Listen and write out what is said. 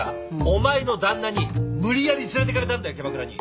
お前の旦那に無理やり連れていかれたんだキャバクラに。